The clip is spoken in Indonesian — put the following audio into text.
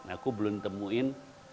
aku belum temuin